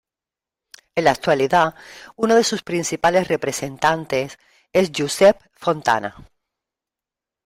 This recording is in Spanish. En la actualidad uno de sus principales representantes es Josep Fontana.